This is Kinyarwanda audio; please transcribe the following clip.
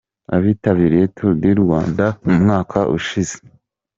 Abitabiriye Tour du Rwanda umwaka ushize.